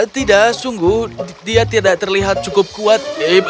tidak sungguh dia tidak terlihat cukup kuat